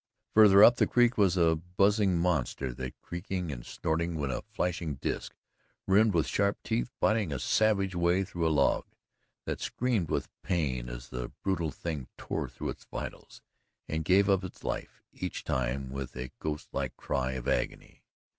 Farther up the creek was a buzzing monster that, creaking and snorting, sent a flashing disk, rimmed with sharp teeth, biting a savage way through a log, that screamed with pain as the brutal thing tore through its vitals, and gave up its life each time with a ghost like cry of agony.